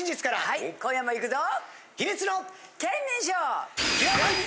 はい今夜も行くぞ！